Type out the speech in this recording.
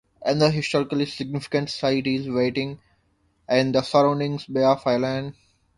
Another historically significant site is Waitangi and the surrounding Bay of Islands.